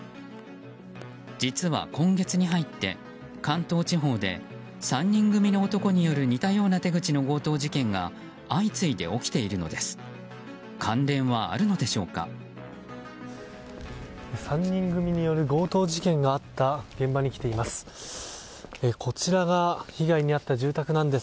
実は今月に入って関東地方で３人組の男による似たような手口の強盗事件が相次いで起きているのです。